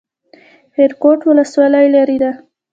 خیرکوټ ولسوالۍ لیرې ده؟